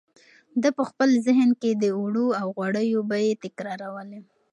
ده په خپل ذهن کې د اوړو او غوړیو بیې تکرارولې.